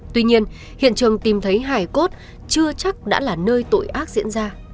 tuy nhiên hiện trường tìm thấy hải cốt chưa chắc đã là nơi tội ác diễn ra